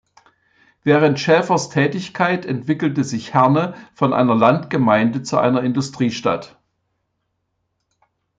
Während Schaefers Tätigkeit entwickelte sich Herne von einer Landgemeinde zu einer Industriestadt.